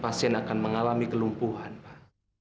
pasien akan mengalami kelumpuhan pak